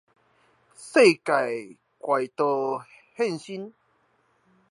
世紀怪盜現身